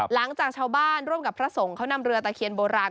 หลังจากชาวบ้านร่วมกับพระสงฆ์เขานำเรือตะเคียนโบราณ